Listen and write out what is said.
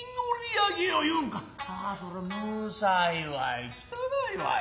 ああそりゃむさいわいきたないわい。